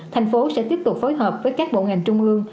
thành phố sẽ tiếp tục phối hợp với các bộ ngành trung ương